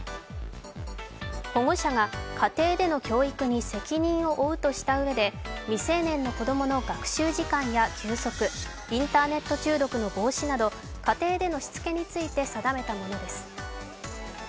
保護者が家庭での教育に責任を負うとしたうえで、未成年の子供の学習時間や休息、インターネット中毒の防止など家庭でのしつけについて定めたものです。